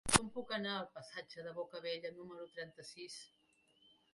Com puc anar al passatge de Bocabella número trenta-sis?